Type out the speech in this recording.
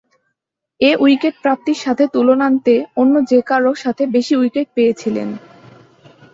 এ wicket প্রাপ্তির সাথে তুলনান্তে অন্য যে-কারোর সাথে বেশি উইকেট পেয়েছিলেন।